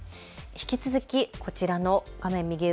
引き続きこちらの画面右上